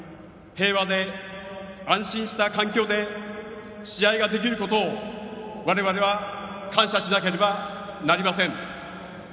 平和で安心した環境で試合ができることを我々は感謝しなければなりません。